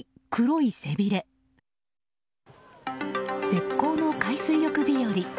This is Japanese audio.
絶好の海水浴日和。